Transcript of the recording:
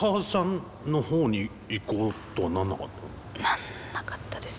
なんなかったです。